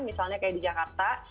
misalnya kayak di jakarta